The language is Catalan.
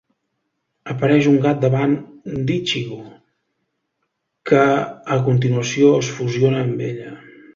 Apareix un gat davant d'Ichigo, que a continuació es fusiona amb ella.